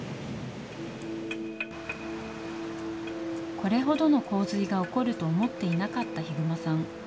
これほどの洪水が起こると思っていなかった日隈さん。